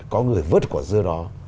có người vớt quả dưa đó